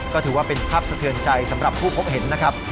ก็ถือว่าเป็นภาพสะเทือนใจสำหรับผู้พบเห็นนะครับ